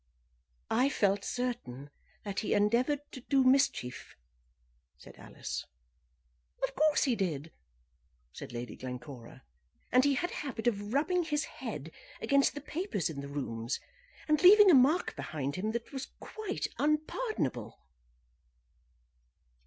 "I felt certain that he endeavoured to do mischief," said Alice. "Of course he did," said Lady Glencora; "and he had a habit of rubbing his head against the papers in the rooms, and leaving a mark behind him that was quite unpardonable."